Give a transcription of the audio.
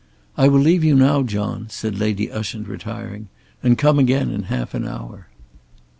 "I will leave you now, John," said Lady Ushant retiring, "and come again in half an hour."